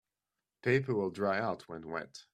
Paper will dry out when wet.